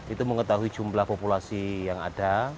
itu mengetahui jumlah populasi yang ada